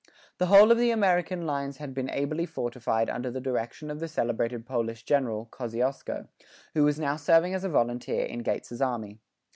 The whole of the American lines had been ably fortified under the direction of the celebrated Polish general, Kosciusko, who was now serving as a volunteer in Gates's army.